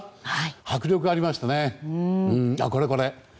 迫力がありましたよね。